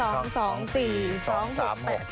เดี๋ยว